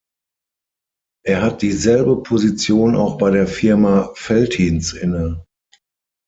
Er hat dieselbe Position auch bei der Firma Veltins inne.